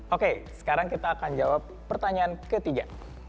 oke sekarang kita akan jawab pertanyaan ketiga